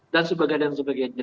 dan sebagainya dan sebagainya